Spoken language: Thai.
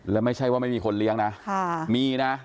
แล้วไม่ใช่ว่าไม่มีคนเลี้ยงนะมีนะ